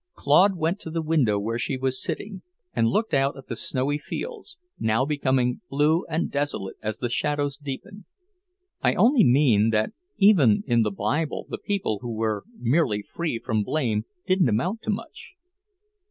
Claude went to the window where she was sitting, and looked out at the snowy fields, now becoming blue and desolate as the shadows deepened. "I only mean that even in the Bible the people who were merely free from blame didn't amount to much."